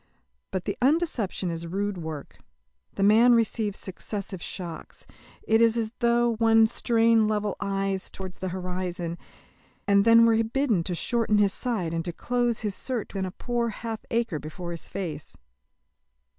But the undeception is rude work. The man receives successive shocks. It is as though one strained level eyes towards the horizon, and then were bidden to shorten his sight and to close his search within a poor half acre before his face.